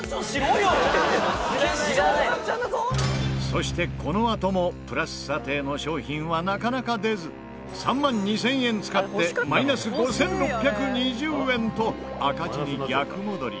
そしてこのあともプラス査定の商品はなかなか出ず３万２０００円使ってマイナス５６２０円と赤字に逆戻り。